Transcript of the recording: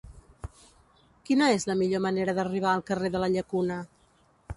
Quina és la millor manera d'arribar al carrer de la Llacuna?